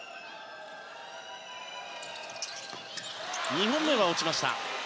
２本目は落ちました。